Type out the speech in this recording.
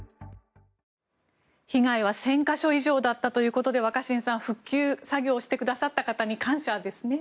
被害は１０００か所以上だったということで若新さん復旧作業をしてくださった方に感謝ですね。